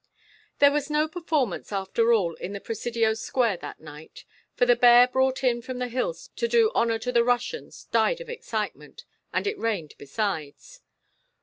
XVIII There was no performance after all in the Presidio square that night, for the bear brought in from the hills to do honor to the Russians died of excitement, and it rained besides.